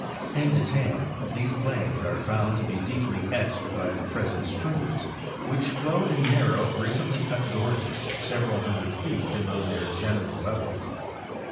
In detail these plains are found to be deeply etched by the present streams, which flow in narrow recently cut gorges several hun dred feet below their general level.